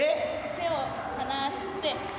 手を離して。